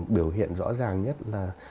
biểu hiện rõ ràng nhất là